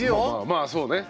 まあそうね。